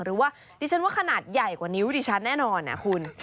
หรือว่าดิฉันว่าขนาดใหญ่กว่านิ้วดิฉันแน่นอนนะคุณ